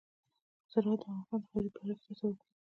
زراعت د افغانستان د ښاري پراختیا سبب کېږي.